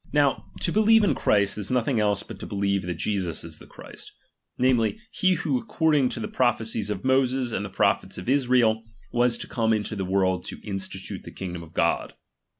Now, to believe in Christ is nothing else but to believe that Jesus is the Christ, namely, he who ac cording to the prophecies of Moses and the prophets of Israel, was to come into this world to institute the kingdom of God.